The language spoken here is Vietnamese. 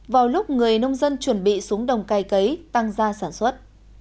vào lúc người nông dân chuẩn bị xuống đồng cày cấy tăng gia sản xuất